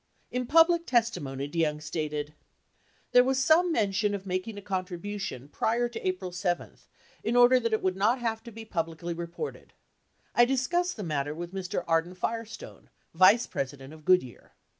In public •testimony, DeYoung stated : There was some mention of making a contribution prior to April 7 in order that it would not have to be publicly re ported I discussed the matter with Mr. Arden Firestone, vice president of Goodyear.